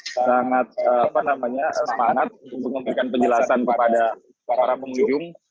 sangat semangat untuk memberikan penjelasan kepada para pengunjung